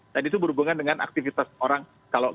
dan itu berhubungan dengan aktivitas orang lain